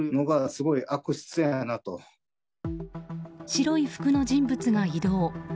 白い服の人物が移動。